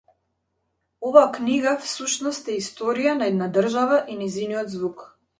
Оваа книга, всушност, е историја на една држава и нејзиниот звук.